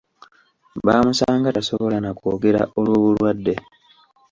Baamusanga tasobola na kwogera olw'obulwadde.